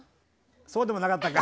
そうでもなかったか。